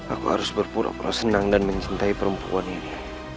aku harus berpura pura senang dan mencintai perempuan ini